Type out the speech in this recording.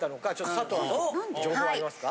情報ありますか？